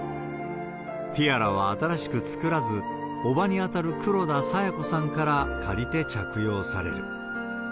ティアラは新しく作らず、叔母に当たる黒田清子さんから借りて着用される。